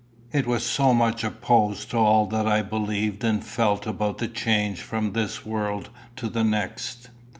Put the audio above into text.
It was so much opposed to all that I believed and felt about the change from this world to the next!